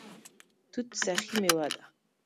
توت سخي میوه ده